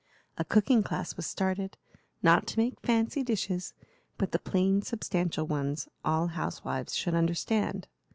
A cooking class was started, not to make fancy dishes, but the plain, substantial ones all housewives should understand.